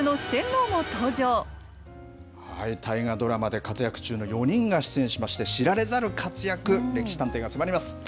大河ドラマで活躍中の４人が出演しまして、知られざる活躍、歴史探偵が迫ります。